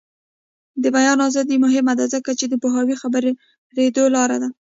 د بیان ازادي مهمه ده ځکه چې د پوهې خپریدو لاره ده.